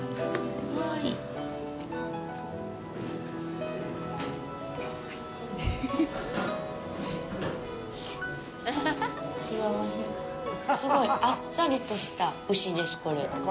すごいあっさりとした牛です、これ。